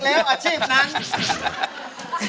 เลิกแล้วอาชีพนั้น